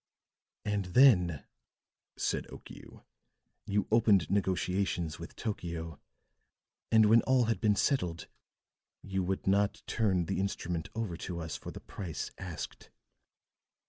"And then," said Okiu, "you opened negotiations with Tokio. And when all had been settled, you would not turn the instrument over to us for the price asked."